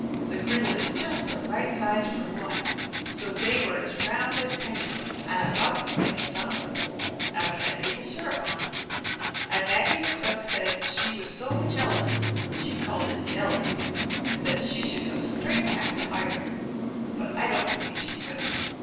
The griddle is just the right size for one, so they were as round as pennies, and about the same size; and we had maple syrup on them, and Maggie the cook said she was so jealous (she called it "jellies") that she should go straight back to Ireland; but I don't believe she will.